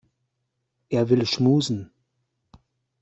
Er will schmusen.